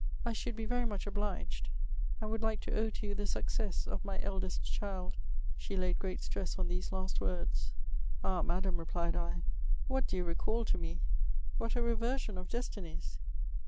I should be very much obliged, and would like to owe to you the success of my eldest child." She Isud great stress on these last words. " Ah ! Madam," replied I, " what do you recal to me ! What a reversion of destinies